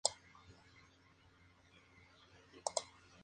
Posee una larga historia en la construcción de barcos.